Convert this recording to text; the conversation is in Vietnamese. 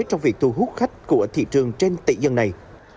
trong việc thu hút khách của thị trường trên tỷ dân này